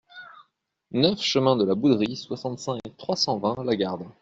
neuf chemin de la Bouderie, soixante-cinq, trois cent vingt, Lagarde